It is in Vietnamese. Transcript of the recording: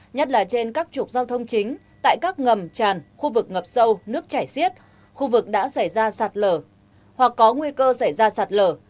nhất là trên các trục giao thông chính tại các ngầm tràn khu vực ngập sâu nước chảy xiết khu vực đã xảy ra sạt lở hoặc có nguy cơ xảy ra sạt lở